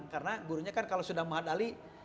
karena gurunya kan kalau sudah ma'had ali